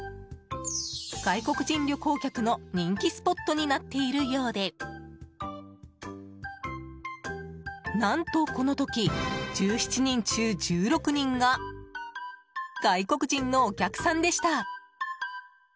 外国人旅行客の人気スポットになっているようで何と、この時１７人中１６人が外国人のお客さんでした。